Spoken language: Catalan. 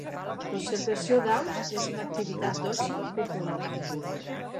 L'observació d'aus és una activitat d'oci popular.